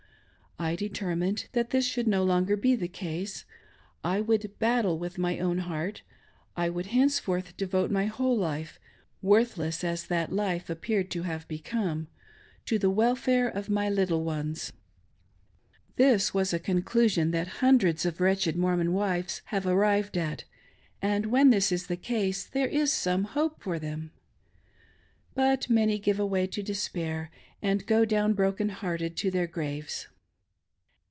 I de termined that this should no longer be the case ; I would bat tle with my own heart ; I would henceforth devote my whole life — worthless as that life appeared to have become — to the welfare of my little ones. This was a conclusion that hun dreds of wretched Mormon wives have arrived at, and when this is the case there is some hope for them. But many give way to despair, and go down broken hearted to their graves.